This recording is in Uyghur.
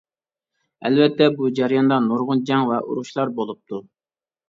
ئەلۋەتتە بۇ جەرياندا نۇرغۇن جەڭ ۋە ئۇرۇشلار بولۇپتۇ.